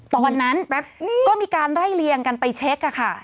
ตอนนั้นก็มีการไล่เลียงกันไปเช็คค่ะ